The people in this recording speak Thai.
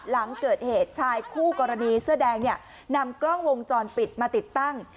หลังเกิดเหตุชายคู่กรณีเสื้อแดงเนี่ยนำกล้องวงจรปิดมาติดตั้ง